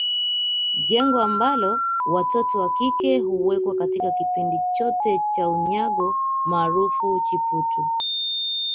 Jengo ambalo watoto wa kike huwekwa katika kipindi chote cha unyago maarufu Chiputu